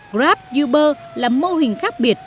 grab uber là mô hình khác biệt